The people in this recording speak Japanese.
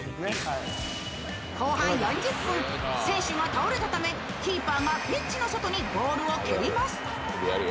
後半４０分、選手が倒れたためキーパーがピッチの外にボールを蹴ります。